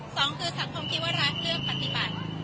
สองคือสังคมคิดว่ารัฐเลือกปฏิบัติ